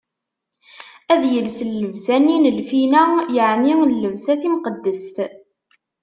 Ad yels llebsa-nni n lfina, yeɛni llebsa timqeddest.